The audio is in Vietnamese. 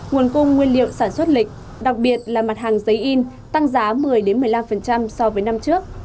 nguồn cung nguyên liệu sản xuất lịch đặc biệt là mặt hàng giấy in tăng giá một mươi một mươi năm so với năm trước